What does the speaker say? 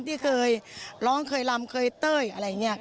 ที่เคยร้องเคยลำเคยเต้ยอะไรเนี่ย